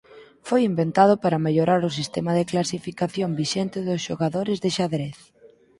Foi inventado para mellorar o sistema de clasificación vixente dos xogadores de xadrez.